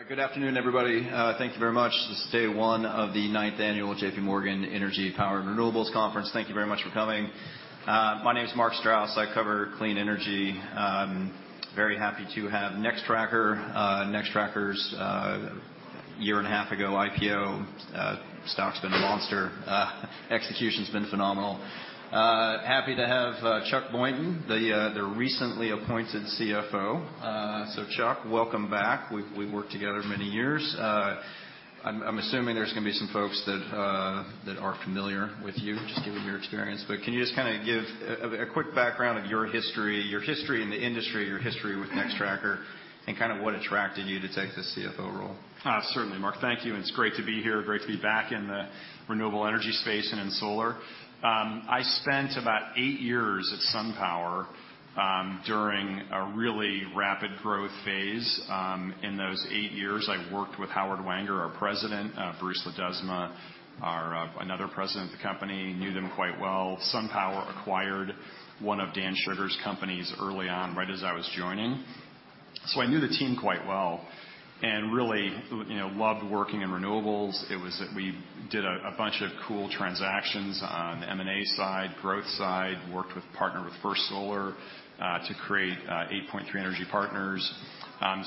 All right. Good afternoon, everybody. Thank you very much. This is day one of the ninth annual J.P. Morgan Energy Power and Renewables Conference. Thank you very much for coming. My name's Mark Strouse. I cover clean energy. Very happy to have Nextracker, Nextracker's year and a half ago IPO. Stock's been a monster. Execution's been phenomenal. Happy to have Chuck Boynton, the recently appointed CFO. So Chuck, welcome back. We've worked together many years. I'm assuming there's gonna be some folks that are familiar with you, just given your experience. But can you just kinda give a quick background of your history in the industry, your history with Nextracker, and kinda what attracted you to take this CFO role? Certainly, Mark. Thank you. And it's great to be here. Great to be back in the renewable energy space and in solar. I spent about eight years at SunPower, during a really rapid growth phase. In those eight years, I worked with Howard Wenger, our president, Bruce Ledesma, our another president of the company, knew them quite well. SunPower acquired one of Dan Shugar's companies early on, right as I was joining. So I knew the team quite well and really, you know, loved working in renewables. It was that we did a bunch of cool transactions on the M&A side, growth side, worked with, partnered with First Solar, to create 8point3 Energy Partners.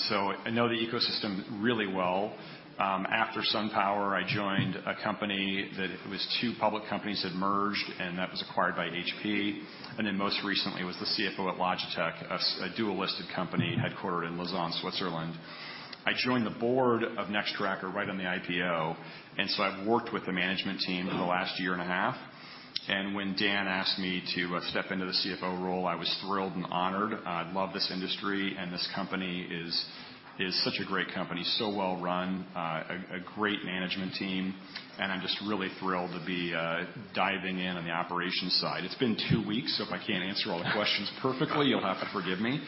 So I know the ecosystem really well. After SunPower, I joined a company that it was two public companies had merged, and that was acquired by HP. Then most recently was the CFO at Logitech, a dual-listed company headquartered in Lausanne, Switzerland. I joined the board of Nextracker right on the IPO. I've worked with the management team for the last year and a half. When Dan asked me to step into the CFO role, I was thrilled and honored. I love this industry, and this company is such a great company, so well-run, a great management team. I'm just really thrilled to be diving in on the operations side. It's been two weeks, so if I can't answer all the questions perfectly, you'll have to forgive me.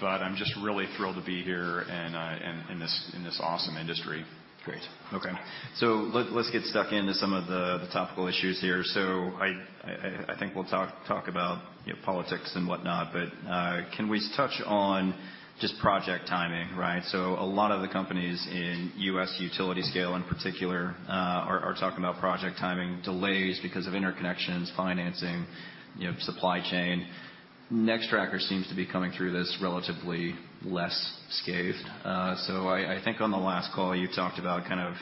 But I'm just really thrilled to be here and in this awesome industry. Great. Okay. So let's get stuck into some of the, the topical issues here. So I think we'll talk about, you know, politics and whatnot. But can we touch on just project timing, right? So a lot of the companies in U.S. utility scale in particular are talking about project timing delays because of interconnections, financing, you know, supply chain. Nextracker seems to be coming through this relatively less scathed. So I think on the last call, you talked about kind of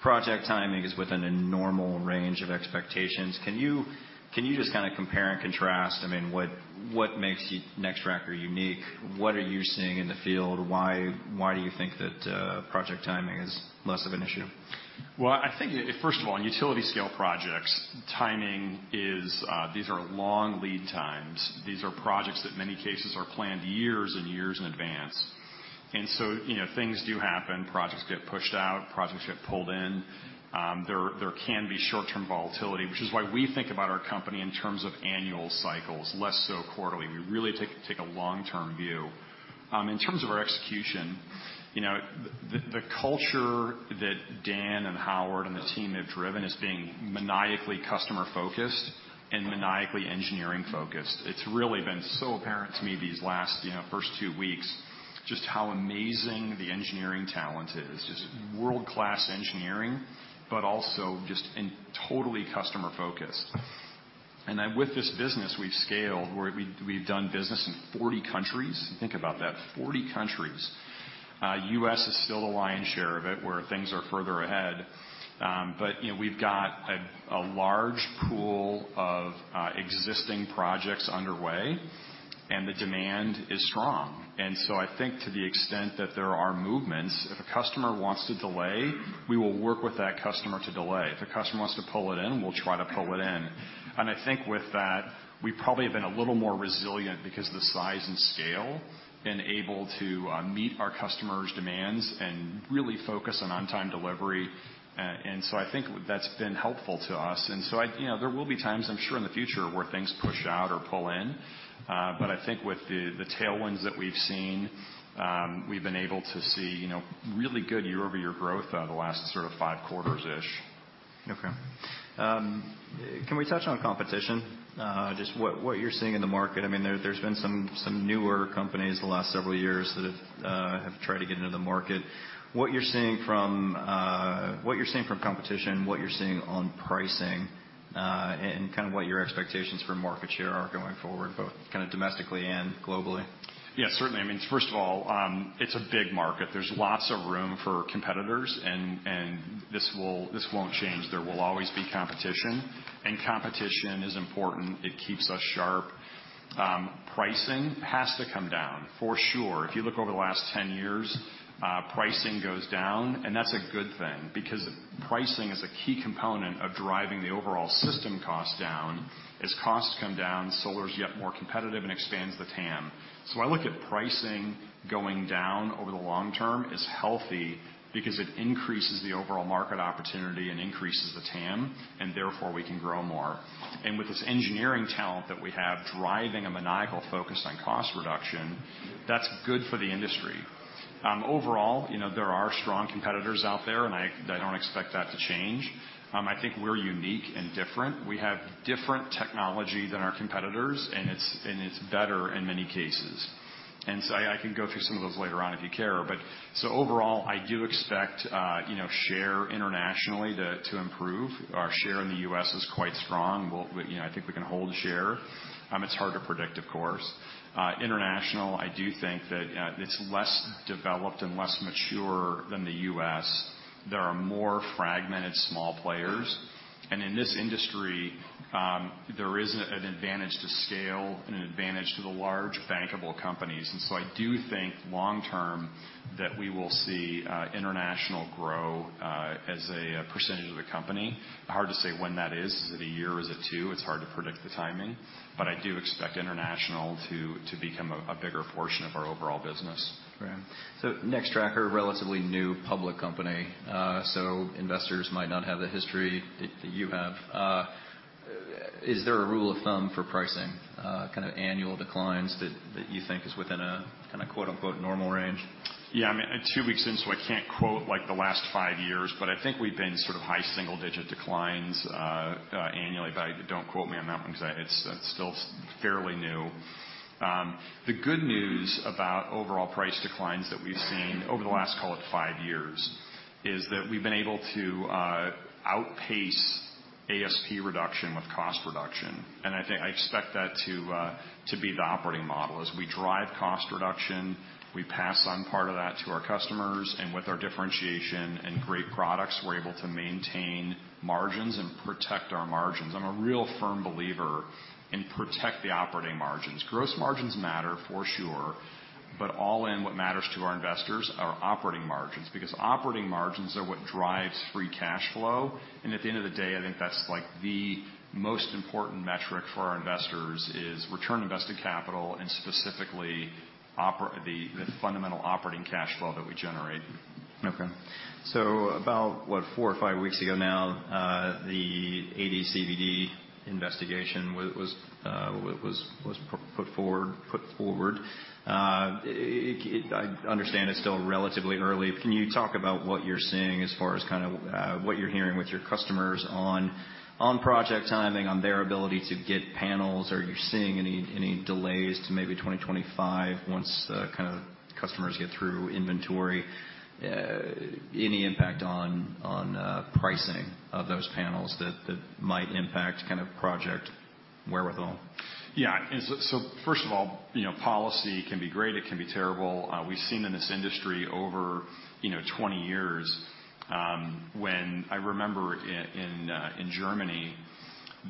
project timing is within a normal range of expectations. Can you just kinda compare and contrast, I mean, what makes you Nextracker unique? What are you seeing in the field? Why do you think that project timing is less of an issue? Well, I think, first of all, in utility scale projects, timing is, these are long lead times. These are projects that, in many cases, are planned years and years in advance. And so, you know, things do happen. Projects get pushed out. Projects get pulled in. There can be short-term volatility, which is why we think about our company in terms of annual cycles, less so quarterly. We really take a long-term view. In terms of our execution, you know, the culture that Dan and Howard and the team have driven is being maniacally customer-focused and maniacally engineering-focused. It's really been so apparent to me these last, you know, first two weeks, just how amazing the engineering talent is, just world-class engineering, but also just in totally customer-focused. And then with this business, we've scaled where we, we've done business in 40 countries. Think about that, 40 countries. U.S. is still the lion's share of it where things are further ahead. But, you know, we've got a large pool of existing projects underway, and the demand is strong. And so I think to the extent that there are movements, if a customer wants to delay, we will work with that customer to delay. If a customer wants to pull it in, we'll try to pull it in. And I think with that, we probably have been a little more resilient because of the size and scale and able to meet our customer's demands and really focus on on-time delivery. And so I think that's been helpful to us. And so I, you know, there will be times, I'm sure, in the future where things push out or pull in. But I think with the tailwinds that we've seen, we've been able to see, you know, really good year-over-year growth over the last sort of five quarters-ish. Okay. Can we touch on competition? Just what you're seeing in the market. I mean, there's been some newer companies the last several years that have tried to get into the market. What you're seeing from competition, what you're seeing on pricing, and kinda what your expectations for market share are going forward, both kinda domestically and globally? Yeah, certainly. I mean, first of all, it's a big market. There's lots of room for competitors, and this won't change. There will always be competition. And competition is important. It keeps us sharp. Pricing has to come down for sure. If you look over the last 10 years, pricing goes down, and that's a good thing because pricing is a key component of driving the overall system cost down. As costs come down, solar's yet more competitive and expands the TAM. So I look at pricing going down over the long term as healthy because it increases the overall market opportunity and increases the TAM, and therefore we can grow more. And with this engineering talent that we have driving a maniacal focus on cost reduction, that's good for the industry. Overall, you know, there are strong competitors out there, and I don't expect that to change. I think we're unique and different. We have different technology than our competitors, and it's better in many cases. And so I can go through some of those later on if you care. But so overall, I do expect, you know, share internationally to improve. Our share in the U.S. is quite strong. We'll, you know, I think we can hold share. It's hard to predict, of course. International, I do think that it's less developed and less mature than the U.S. There are more fragmented small players. And in this industry, there is an advantage to scale and an advantage to the large bankable companies. And so I do think long-term that we will see international grow, as a percentage of the company. Hard to say when that is. Is it a year? Is it two? It's hard to predict the timing. But I do expect international to become a bigger portion of our overall business. Okay. So Nextracker, relatively new public company. So investors might not have the history that you have. Is there a rule of thumb for pricing, kind of annual declines that you think is within a kinda "normal range"? Yeah. I mean, two weeks in, so I can't quote like the last five years, but I think we've been sort of high single-digit declines, annually. But I don't quote me on that one 'cause it's still fairly new. The good news about overall price declines that we've seen over the last, call it, five years is that we've been able to outpace ASP reduction with cost reduction. And I think I expect that to be the operating model. As we drive cost reduction, we pass on part of that to our customers. And with our differentiation and great products, we're able to maintain margins and protect our margins. I'm a real firm believer in protecting the operating margins. Gross margins matter for sure, but all in, what matters to our investors are operating margins because operating margins are what drives free cash flow. At the end of the day, I think that's like the most important metric for our investors is return invested capital and specifically the fundamental operating cash flow that we generate. Okay. So about, what, four or five weeks ago now, the ADCVD investigation was put forward. I understand it's still relatively early. Can you talk about what you're seeing as far as kind of, what you're hearing with your customers on project timing, on their ability to get panels? Are you seeing any delays to maybe 2025 once, kinda customers get through inventory, any impact on pricing of those panels that might impact kind of project wherewithal? Yeah. And so first of all, you know, policy can be great. It can be terrible. We've seen in this industry over, you know, 20 years, when I remember in Germany,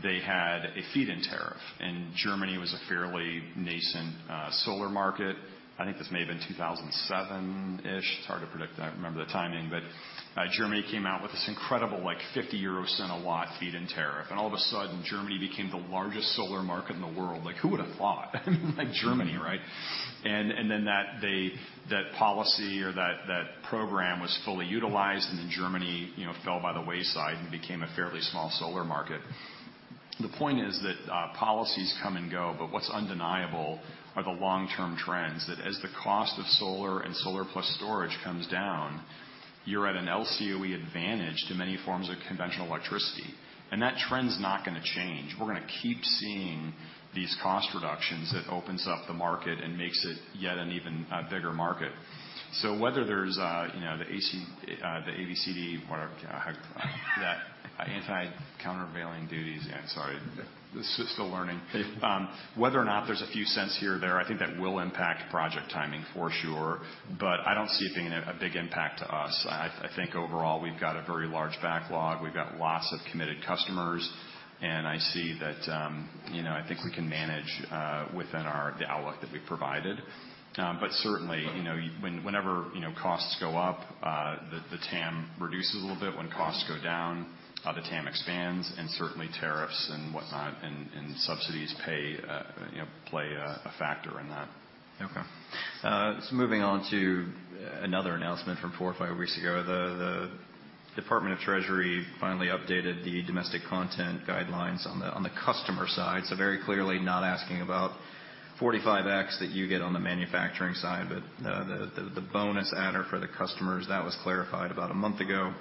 they had a feed-in tariff. And Germany was a fairly nascent solar market. I think this may have been 2007-ish. It's hard to predict. I remember the timing. But Germany came out with this incredible, like, 0.50 a watt feed-in tariff. And all of a sudden, Germany became the largest solar market in the world. Like, who would've thought? I mean, like Germany, right? And then that policy or that program was fully utilized, and then Germany, you know, fell by the wayside and became a fairly small solar market. The point is that, policies come and go, but what's undeniable are the long-term trends that as the cost of solar and solar plus storage comes down, you're at an LCOE advantage to many forms of conventional electricity. And that trend's not gonna change. We're gonna keep seeing these cost reductions that opens up the market and makes it yet an even, bigger market. So whether there's, you know, the ADCVD, whatever, that, anti-countervailing duties. Yeah, sorry. This is still learning. Whether or not there's a few cents here or there, I think that will impact project timing for sure. But I don't see it being a big impact to us. I think overall, we've got a very large backlog. We've got lots of committed customers. And I see that, you know, I think we can manage, within our the outlook that we've provided. but certainly, you know, whenever costs go up, the TAM reduces a little bit. When costs go down, the TAM expands. And certainly, tariffs and whatnot and subsidies, you know, play a factor in that. Okay, so moving on to another announcement from four or five weeks ago, the Department of the Treasury finally updated the domestic content guidelines on the customer side. So very clearly not asking about 45X that you get on the manufacturing side, but the bonus adder for the customers. That was clarified about a month ago.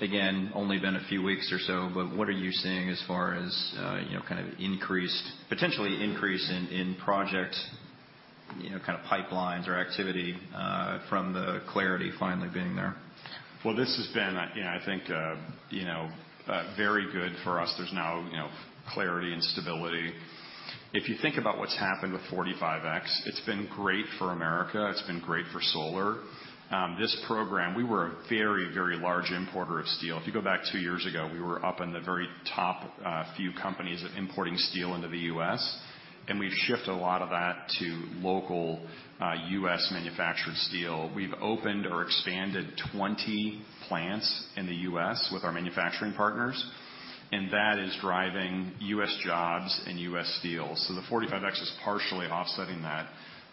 Again, only been a few weeks or so, but what are you seeing as far as, you know, kind of increased, potentially increase in project, you know, kinda pipelines or activity, from the clarity finally being there? Well, this has been, you know, I think, you know, very good for us. There's now, you know, clarity and stability. If you think about what's happened with 45X, it's been great for America. It's been great for solar. This program, we were a very, very large importer of steel. If you go back two years ago, we were up in the very top few companies of importing steel into the U.S. And we've shifted a lot of that to local, U.S. manufactured steel. We've opened or expanded 20 plants in the U.S. with our manufacturing partners. And that is driving U.S. jobs and U.S. steel. So the 45X is partially offsetting that.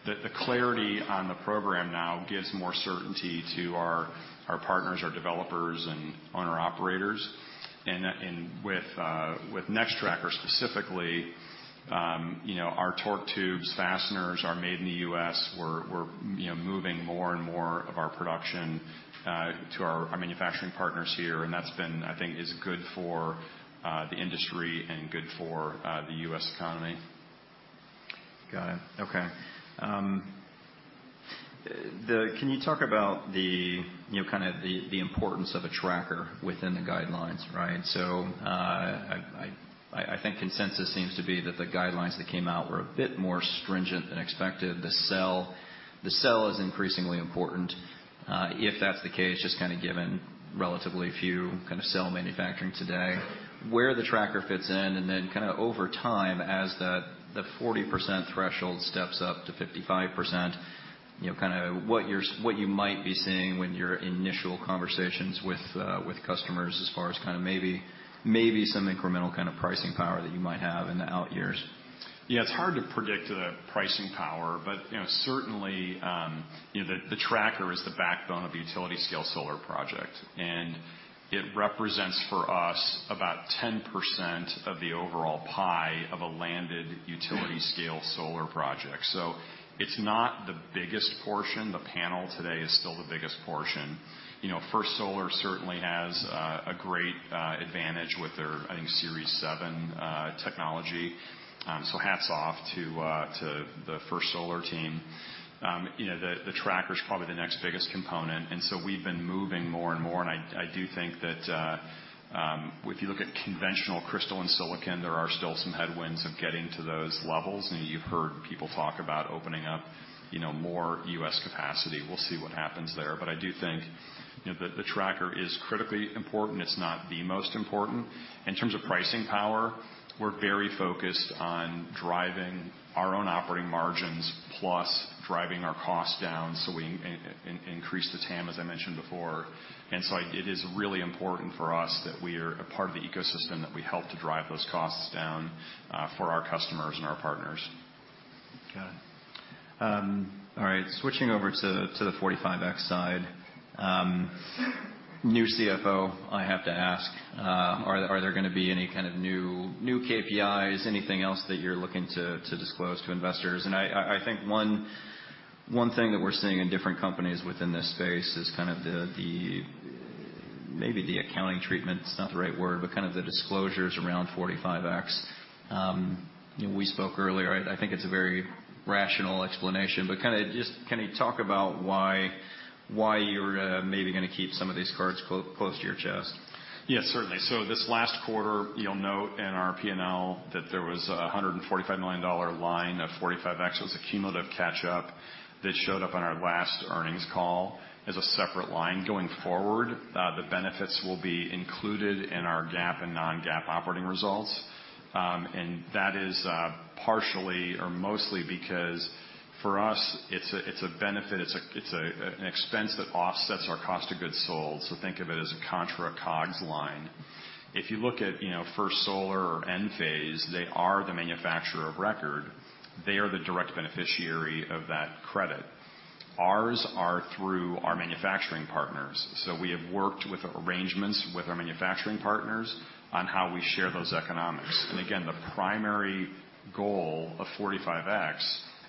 The, the clarity on the program now gives more certainty to our, our partners, our developers, and owner-operators. And that, and with, with Nextracker specifically, you know, our torque tubes, fasteners are made in the U.S. We're, you know, moving more and more of our production to our manufacturing partners here. And that's been, I think, is good for the industry and good for the U.S. economy. Got it. Okay. The, can you talk about the, you know, kinda the importance of a tracker within the guidelines, right? So, I think consensus seems to be that the guidelines that came out were a bit more stringent than expected. The cell is increasingly important. If that's the case, just kinda given relatively few kinda cell manufacturing today, where the tracker fits in, and then kinda over time, as the 40% threshold steps up to 55%, you know, kinda what you might be seeing when your initial conversations with customers as far as kinda maybe some incremental kinda pricing power that you might have in the out years? Yeah. It's hard to predict the pricing power, but, you know, certainly, you know, the, the tracker is the backbone of the utility-scale solar project. And it represents for us about 10% of the overall pie of a landed utility-scale solar project. So it's not the biggest portion. The panel today is still the biggest portion. You know, First Solar certainly has a great advantage with their, I think, Series 7, technology. So hats off to the First Solar team. You know, the, the tracker's probably the next biggest component. And so we've been moving more and more. And I, I do think that, if you look at conventional crystalline silicon, there are still some headwinds of getting to those levels. And you've heard people talk about opening up, you know, more U.S. capacity. We'll see what happens there. But I do think, you know, the tracker is critically important. It's not the most important. In terms of pricing power, we're very focused on driving our own operating margins plus driving our cost down so we increase the TAM, as I mentioned before. And so it is really important for us that we are a part of the ecosystem that we help to drive those costs down, for our customers and our partners. Got it. All right. Switching over to the 45X side, new CFO, I have to ask, are there gonna be any kind of new KPIs, anything else that you're looking to disclose to investors? And I think one thing that we're seeing in different companies within this space is kind of the maybe the accounting treatment. It's not the right word, but kind of the disclosures around 45X. You know, we spoke earlier. I think it's a very rational explanation. But kinda just can you talk about why you're maybe gonna keep some of these cards close to your chest? Yeah, certainly. So this last quarter, you'll note in our P&L that there was a $145 million line of 45X. It was a cumulative catch-up that showed up on our last earnings call as a separate line. Going forward, the benefits will be included in our GAAP and non-GAAP operating results. And that is, partially or mostly because for us, it's an expense that offsets our cost of goods sold. So think of it as a contra COGS line. If you look at, you know, First Solar or Enphase, they are the manufacturer of record. They are the direct beneficiary of that credit. Ours are through our manufacturing partners. So we have worked with arrangements with our manufacturing partners on how we share those economics. And again, the primary goal of 45X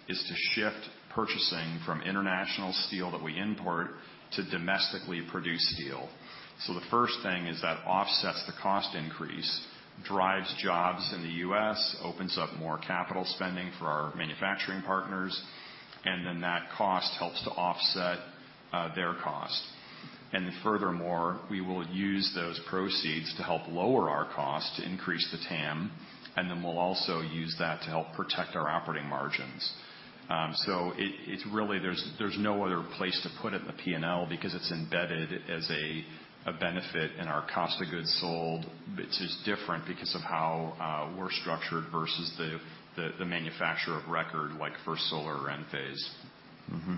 is to shift purchasing from international steel that we import to domestically produce steel. So the first thing is that offsets the cost increase, drives jobs in the U.S., opens up more capital spending for our manufacturing partners, and then that cost helps to offset their cost. And then furthermore, we will use those proceeds to help lower our cost to increase the TAM. And then we'll also use that to help protect our operating margins. So it's really, there's no other place to put it in the P&L because it's embedded as a benefit in our cost of goods sold. It's just different because of how we're structured versus the manufacturer of record like First Solar or Enphase. Mm-hmm.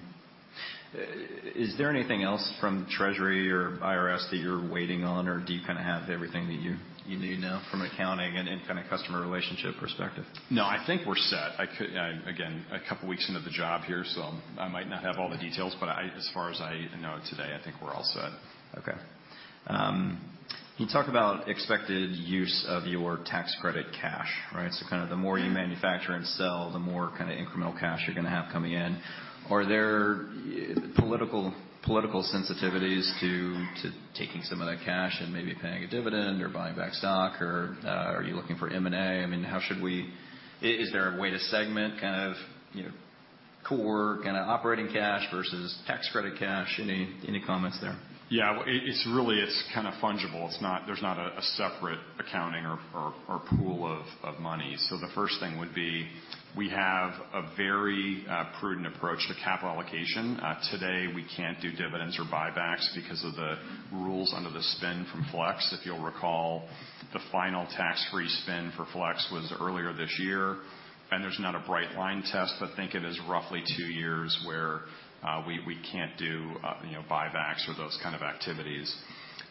Is there anything else from Treasury or IRS that you're waiting on, or do you kinda have everything that you, you need now from accounting and, and kinda customer relationship perspective? No, I think we're set. I could, again, a couple weeks into the job here, so I might not have all the details. But I, as far as I know it today, I think we're all set. Okay. Can you talk about expected use of your tax credit cash, right? So kinda the more you manufacture and sell, the more kinda incremental cash you're gonna have coming in. Are there political, political sensitivities to, to taking some of that cash and maybe paying a dividend or buying back stock, or, are you looking for M&A? I mean, how should we? Is there a way to segment kind of, you know, core kinda operating cash versus tax credit cash? Any, any comments there? Yeah. Well, it's really, it's kinda fungible. It's not. There's not a separate accounting or pool of money. So the first thing would be we have a very prudent approach to capital allocation. Today, we can't do dividends or buybacks because of the rules under the spin from Flex. If you'll recall, the final tax-free spin for Flex was earlier this year. And there's not a bright-line test, but think of it as roughly two years where we can't do, you know, buybacks or those kind of activities.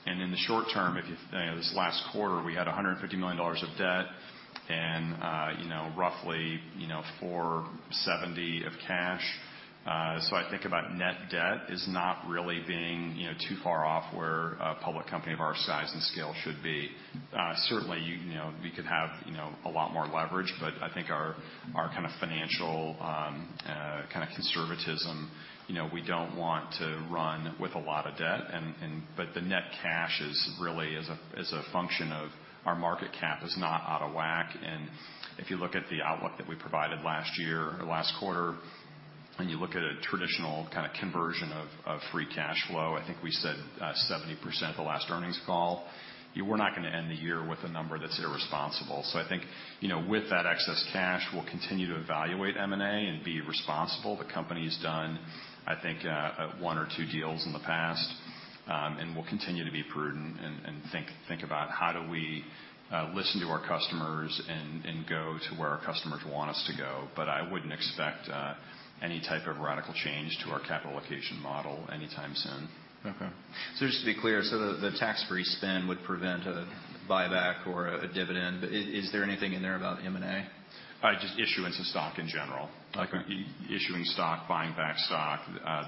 And in the short term, if you, you know, this last quarter, we had $150 million of debt and, you know, roughly, you know, $470 million of cash. So I think about net debt is not really being, you know, too far off where public company of our size and scale should be. Certainly, you know, we could have, you know, a lot more leverage, but I think our kinda financial kinda conservatism, you know, we don't want to run with a lot of debt. But the net cash is really as a function of our market cap is not out of whack. And if you look at the outlook that we provided last year or last quarter, and you look at a traditional kinda conversion of free cash flow, I think we said 70% at the last earnings call. We're not gonna end the year with a number that's irresponsible. So I think, you know, with that excess cash, we'll continue to evaluate M&A and be responsible. The company's done, I think, one or two deals in the past. and we'll continue to be prudent and think about how do we listen to our customers and go to where our customers want us to go. But I wouldn't expect any type of radical change to our capital allocation model anytime soon. Okay. So just to be clear, the tax-free spin would prevent a buyback or a dividend. But is there anything in there about M&A? just issuance of stock in general. Okay. Issuing stock, buying back stock,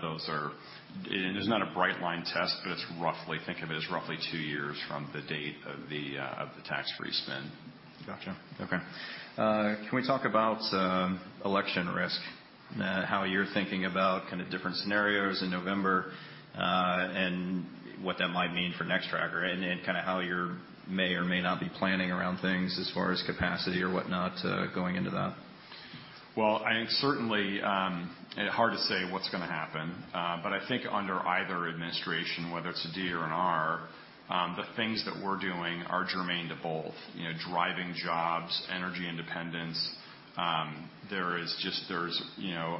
those are, and there's not a bright line test, but it's roughly, think of it as roughly two years from the date of the tax-free spin. Gotcha. Okay. Can we talk about election risk, how you're thinking about kinda different scenarios in November, and what that might mean for Nextracker and kinda how you may or may not be planning around things as far as capacity or whatnot, going into that? Well, I think certainly, it's hard to say what's gonna happen. But I think under either administration, whether it's a D or an R, the things that we're doing are germane to both, you know, driving jobs, energy independence. There is just, there's, you know,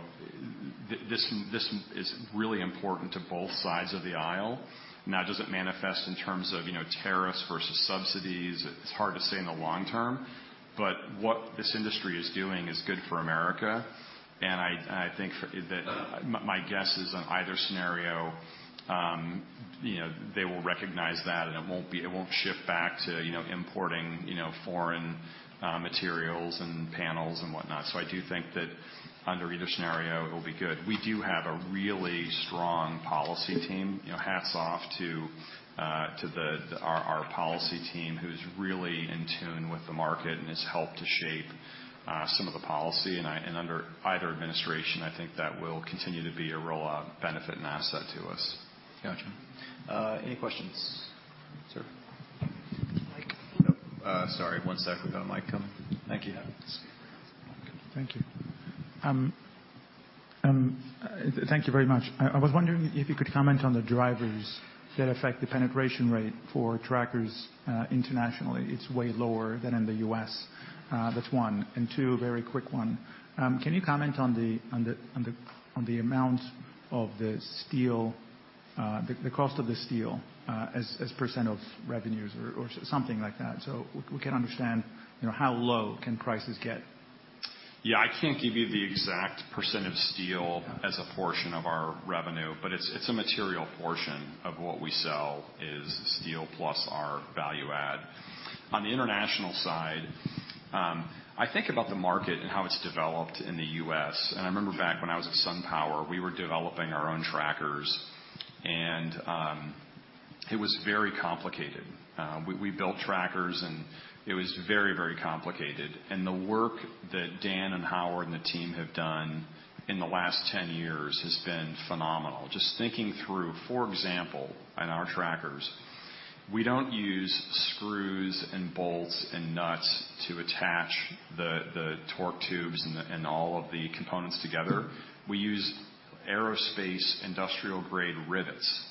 this, this is really important to both sides of the aisle. Now, does it manifest in terms of, you know, tariffs versus subsidies? It's hard to say in the long term, but what this industry is doing is good for America. And I think that my guess is on either scenario, you know, they will recognize that, and it won't be, it won't shift back to, you know, importing, you know, foreign materials and panels and whatnot. So I do think that under either scenario, it'll be good. We do have a really strong policy team. You know, hats off to our policy team who's really in tune with the market and has helped to shape some of the policy. And under either administration, I think that will continue to be a real benefit and asset to us. Gotcha. Any questions, sir? Mike. Sorry. One sec. We got a mic coming. Thank you. Thank you. Thank you very much. I was wondering if you could comment on the drivers that affect the penetration rate for trackers, internationally. It's way lower than in the U.S. That's one. And two, very quick one. Can you comment on the amount of the steel, the cost of the steel, as percent of revenues or something like that? So we can understand, you know, how low can prices get? Yeah. I can't give you the exact percent of steel as a portion of our revenue, but it's, it's a material portion of what we sell is steel plus our value add. On the international side, I think about the market and how it's developed in the U.S. And I remember back when I was at SunPower, we were developing our own trackers. And it was very complicated. We, we built trackers, and it was very, very complicated. And the work that Dan and Howard and the team have done in the last 10 years has been phenomenal. Just thinking through, for example, in our trackers, we don't use screws and bolts and nuts to attach the, the torque tubes and the, and all of the components together. We use aerospace industrial-grade rivets.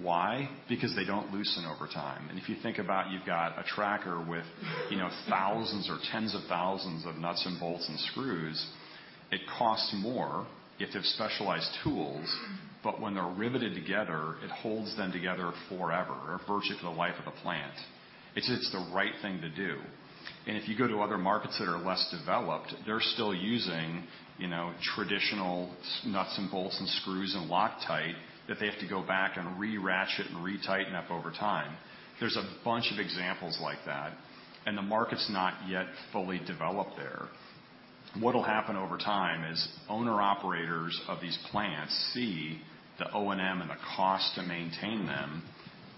Why? Because they don't loosen over time. If you think about, you've got a tracker with, you know, thousands or tens of thousands of nuts and bolts and screws, it costs more if they've specialized tools. But when they're riveted together, it holds them together forever or virtually for the life of the plant. It's, it's the right thing to do. If you go to other markets that are less developed, they're still using, you know, traditional nuts and bolts and screws and Loctite that they have to go back and re-ratchet and retighten up over time. There's a bunch of examples like that, and the market's not yet fully developed there. What'll happen over time is owner-operators of these plants see the O&M and the cost to maintain them,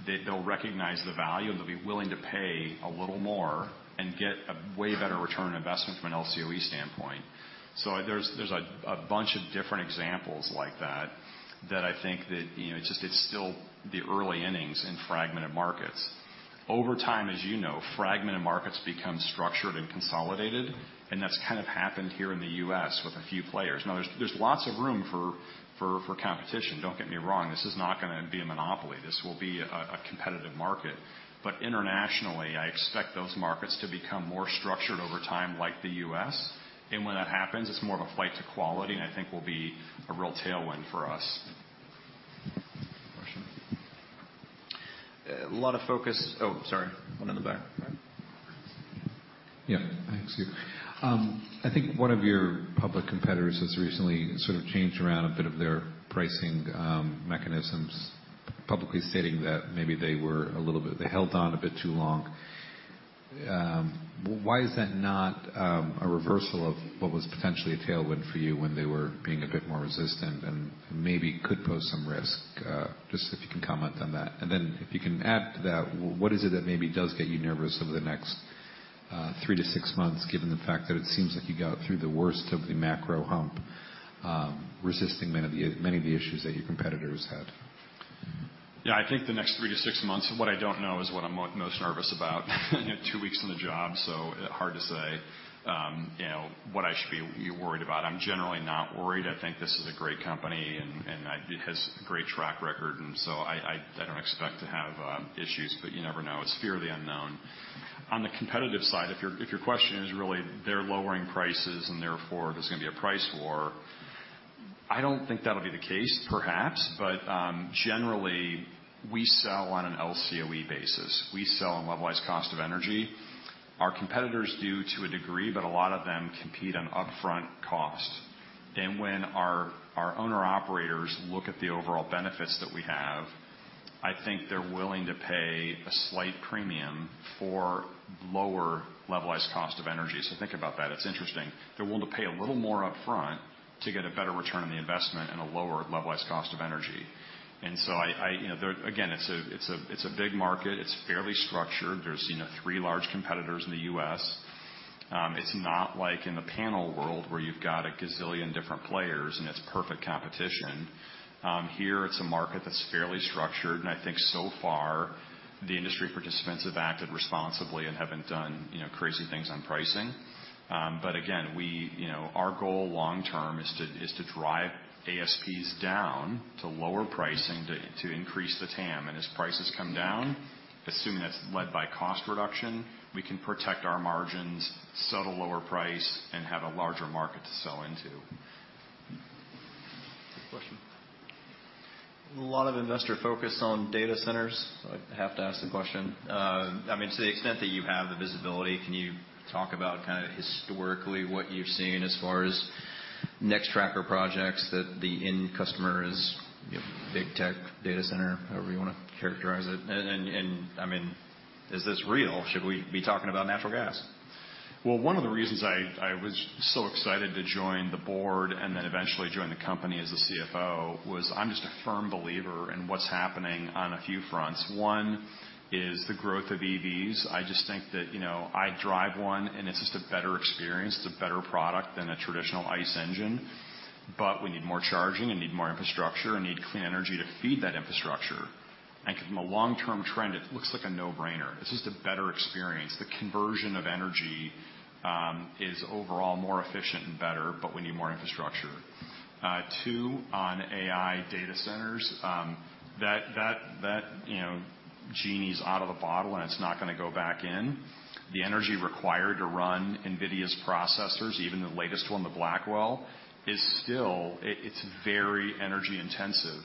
that they'll recognize the value, and they'll be willing to pay a little more and get a way better return on investment from an LCOE standpoint. So there's a bunch of different examples like that that I think that, you know, it's just, it's still the early innings in fragmented markets. Over time, as you know, fragmented markets become structured and consolidated, and that's kind of happened here in the U.S. with a few players. Now, there's lots of room for competition. Don't get me wrong. This is not gonna be a monopoly. This will be a competitive market. But internationally, I expect those markets to become more structured over time like the U.S. When that happens, it's more of a flight to quality, and I think will be a real tailwind for us. Question? A lot of focus. Oh, sorry. One in the back. Yeah. Thanks. I think one of your public competitors has recently sort of changed around a bit of their pricing, mechanisms, publicly stating that maybe they were a little bit they held on a bit too long. Why is that not, a reversal of what was potentially a tailwind for you when they were being a bit more resistant and maybe could pose some risk? Just if you can comment on that. And then if you can add to that, what is it that maybe does get you nervous over the next, three to six months, given the fact that it seems like you got through the worst of the macro hump, resisting many of the, many of the issues that your competitors had? Yeah. I think the next three to six months, what I don't know is what I'm most nervous about. I had two weeks on the job, so hard to say, you know, what I should be worried about. I'm generally not worried. I think this is a great company, and it has a great track record. And so I don't expect to have issues, but you never know. It's fear of the unknown. On the competitive side, if your question is really they're lowering prices and therefore there's gonna be a price war, I don't think that'll be the case, perhaps. But generally, we sell on an LCOE basis. We sell on levelized cost of energy. Our competitors do to a degree, but a lot of them compete on upfront cost. And when our owner-operators look at the overall benefits that we have, I think they're willing to pay a slight premium for lower levelized cost of energy. So think about that. It's interesting. They're willing to pay a little more upfront to get a better return on the investment and a lower levelized cost of energy. And so I, you know, there, again, it's a big market. It's fairly structured. There's, you know, three large competitors in the U.S. It's not like in the panel world where you've got a gazillion different players and it's perfect competition. Here, it's a market that's fairly structured. And I think so far, the industry participants have acted responsibly and haven't done, you know, crazy things on pricing. But again, we, you know, our goal long-term is to, is to drive ASPs down to lower pricing to, to increase the TAM. And as prices come down, assuming that's led by cost reduction, we can protect our margins, settle lower price, and have a larger market to sell into. Question? A lot of investor focus on data centers. So I have to ask the question. I mean, to the extent that you have the visibility, can you talk about kinda historically what you've seen as far as Nextracker projects that the end customer is, you know, big tech data center, however you wanna characterize it? And I mean, is this real? Should we be talking about natural gas? Well, one of the reasons I was so excited to join the board and then eventually join the company as the CFO was I'm just a firm believer in what's happening on a few fronts. One is the growth of EVs. I just think that, you know, I drive one, and it's just a better experience. It's a better product than a traditional ICE engine. But we need more charging and need more infrastructure and need clean energy to feed that infrastructure. And from a long-term trend, it looks like a no-brainer. It's just a better experience. The conversion of energy is overall more efficient and better, but we need more infrastructure. Two, on AI data centers, that you know, genie's out of the bottle, and it's not gonna go back in. The energy required to run NVIDIA's processors, even the latest one, the Blackwell, is still; it's very energy intensive.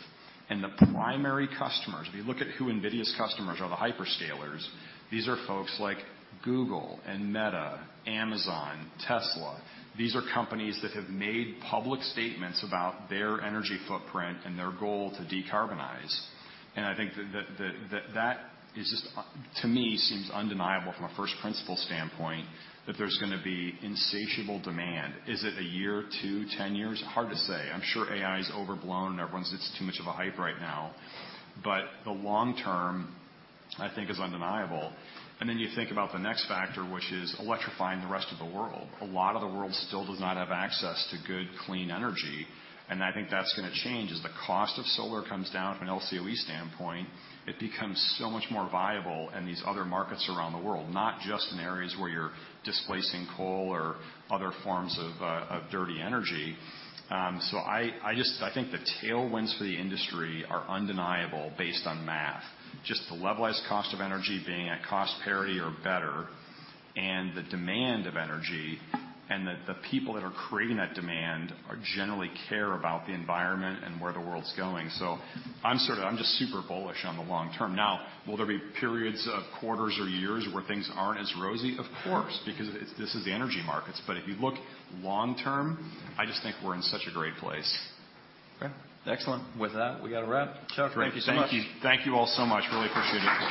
The primary customers, if you look at who NVIDIA's customers are, the hyperscalers, these are folks like Google and Meta, Amazon, Tesla. These are companies that have made public statements about their energy footprint and their goal to decarbonize. I think that is just, to me, seems undeniable from a first principle standpoint that there's gonna be insatiable demand. Is it a year, two, 10 years? Hard to say. I'm sure AI's overblown, and everyone's it's too much of a hype right now. The long-term, I think, is undeniable. Then you think about the next factor, which is electrifying the rest of the world. A lot of the world still does not have access to good clean energy. And I think that's gonna change as the cost of solar comes down from an LCOE standpoint. It becomes so much more viable in these other markets around the world, not just in areas where you're displacing coal or other forms of, of dirty energy. So I, I just, I think the tailwinds for the industry are undeniable based on math, just the levelized cost of energy being at cost parity or better and the demand of energy and that the people that are creating that demand generally care about the environment and where the world's going. So I'm sort of, I'm just super bullish on the long-term. Now, will there be periods of quarters or years where things aren't as rosy? Of course, because it's, this is the energy markets. But if you look long-term, I just think we're in such a great place. Okay. Excellent. With that, we got a wrap. Sure. Thank you so much. Thank you. Thank you all so much. Really appreciate it.